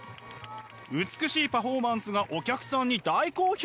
美しいパフォーマンスがお客さんに大好評！